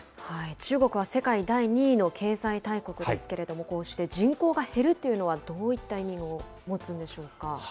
中国は世界第２位の経済大国ですけれども、こうして人口が減るというのはどういった意味を持つんでしょうか。